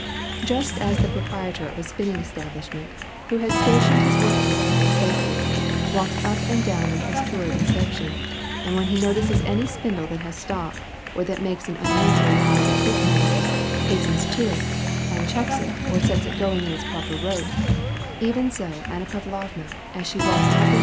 Just as the proprietor of a spinning estab lishment, who has stationed his workmen at their places, walks up and down on his tour of inspection, and when he notices any spindle that has stopped or that makes an unusually loud of creaking noise, hastens to it, and checks it or sets it going in its proper rote, even so Anna Pavlovna, as she walked up and do?